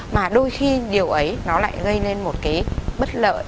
mà đôi khi điều ấy nó lại gây nên một cái bất lợi